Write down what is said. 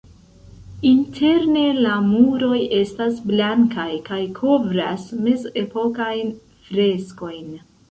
Interne la muroj estas blankaj kaj kovras mezepokajn freskojn.